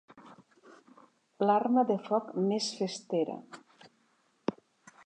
L'arma de foc més festera.